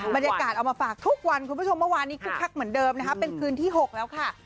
บรรยากาศเอามาฝากทุกวันคุณผู้ชมเมื่อวานนี้คึกคักเหมือนเดิมนะคะเป็นคืนที่๖แล้วค่ะ